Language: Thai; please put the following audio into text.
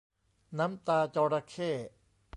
น้ำตาจระเข้